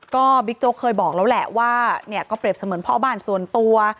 ก็บิ๊กโจ๊กเคยบอกแล้วแหละว่าเนี่ยก็เปรียบเสมือนพ่อบ้านส่วนตัว